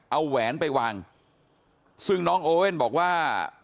เอาแหวนไปวางซึ่งน้องโอเว่นบอกว่า